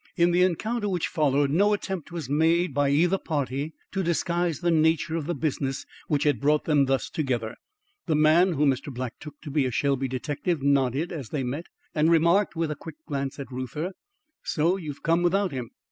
In the encounter which followed no attempt was made by either party to disguise the nature of the business which had brought them thus together. The man whom Mr. Black took to be a Shelby detective nodded as they met and remarked, with a quick glance at Reuther: "So you've come without him!